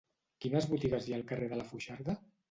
Quines botigues hi ha al carrer de la Foixarda?